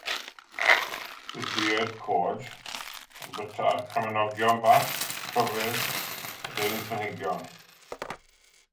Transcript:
Bydd hwyaid coed yn bwyta cramenogion bach, pryfed a deunydd planhigion.